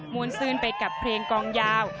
วนซื่นไปกับเพลงกองยาว